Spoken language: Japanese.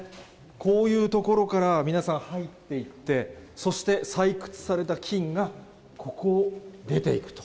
こういうところから皆さん入っていって、そして採掘された金がここを出ていくと。